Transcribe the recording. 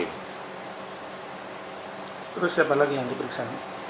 terus siapa lagi yang diperiksa